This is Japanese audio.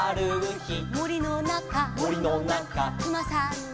「もりのなか」「もりのなか」「くまさんに」